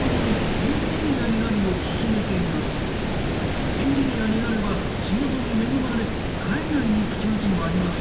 エンジニアになれば仕事に恵まれ海外に行くチャンスもあります。